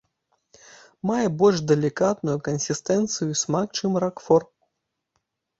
Мае больш далікатную кансістэнцыю і смак, чым ракфор.